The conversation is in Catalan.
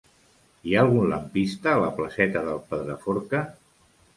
Hi ha algun lampista a la placeta del Pedraforca?